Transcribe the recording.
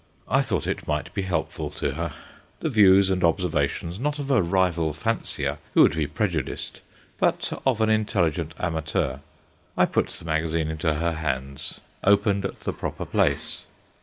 I thought it might be helpful to her: the views and observations, not of a rival fancier, who would be prejudiced, but of an intelligent amateur. I put the magazine into her hands, opened at the proper place.